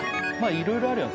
いろいろあるよね